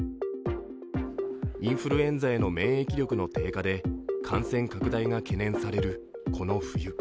インフルエンザへの免疫力の低下で感染拡大が懸念されるこの冬。